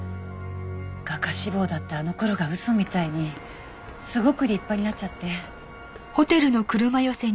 画家志望だったあの頃が嘘みたいにすごく立派になっちゃって。